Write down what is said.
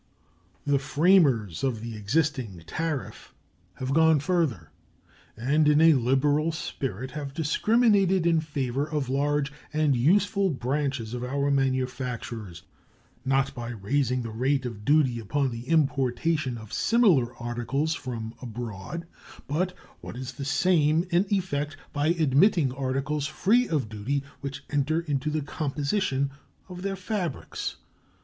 The framers of the existing tariff have gone further, and in a liberal spirit have discriminated in favor of large and useful branches of our manufactures, not by raising the rate of duty upon the importation of similar articles from abroad, but, what is the same in effect, by admitting articles free of duty which enter into the composition of their fabrics.